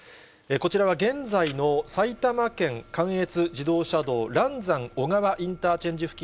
こちらは現在の埼玉県関越自動車道嵐山小川インターチェンジ